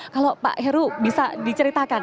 kalau pak heru bisa diceritakan